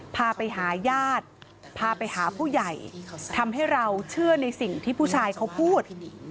พาไปหาญาติพาไปหาผู้ใหญ่ทำให้เราเชื่อในสิ่งที่ผู้ชายเขาพูด